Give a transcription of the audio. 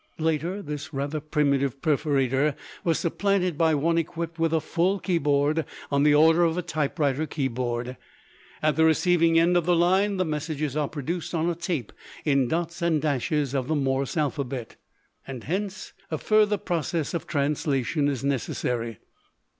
Later this rather primitive perforator was supplanted by one equipped with a full keyboard on the order of a typewriter keyboard. At the receiving end of the line the messages are produced on a tape in dots and dashes of the Morse alphabet, and hence a further process of translation is necessary.